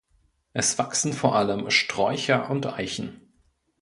Es wachsen vor allem Sträucher und Eichen.